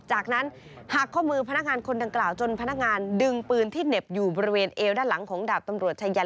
จากนั้นหักข้อมือพนักงานคนดังกล่าวจนพนักงานดึงปืนที่เหน็บอยู่บริเวณเอวด้านหลังของดาบตำรวจชายัน